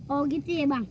oh gitu ya bang